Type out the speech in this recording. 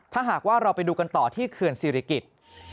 ถ้าหากว่าเราไปดูกันต่อที่เขื่อนศิริกิจ